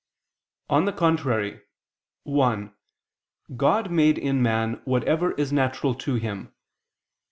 On the contrary, (1) God made in man whatever is natural to him.